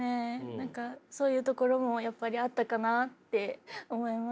何かそういうところもやっぱりあったかなって思いました。